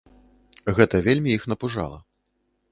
Гэта вельмі іх напужала.